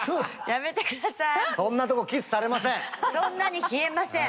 そんなとこキスされません。